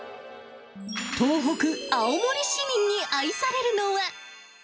東北、青森市民に愛されるのは。